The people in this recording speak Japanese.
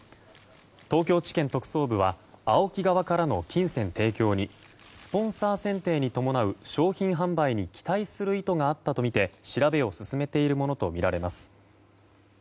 東京地検特捜部はＡＯＫＩ側からの金銭提供にスポンサー選定に伴う商品販売に期待する意図があったとみて調べを進めているものとみられます。